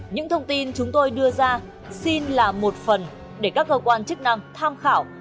những thông tin chúng tôi đưa ra xin là một phần để các cơ quan chức năng tham khảo